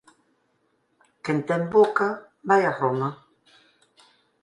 Quen ten boca vai a Roma.